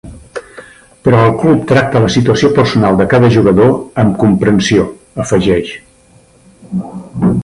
“Però el club tracta la situació personal de cada jugador amb comprensió”, afegeix.